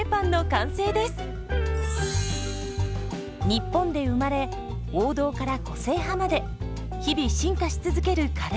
日本で生まれ王道から個性派まで日々進化し続けるカレーパン。